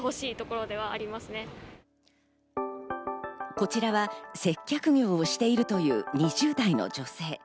こちらは接客業をしているという２０代の女性。